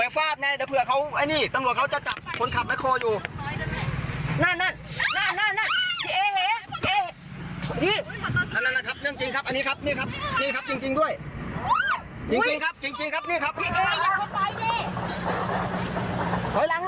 ฝ่อยไว้ไปก่อน